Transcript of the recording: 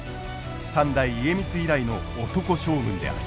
三代家光以来の男将軍である。